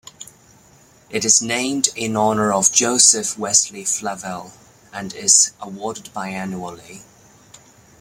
It is named in honour of Joseph Wesley Flavelle and is awarded bi-annually.